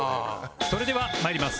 それでは参ります。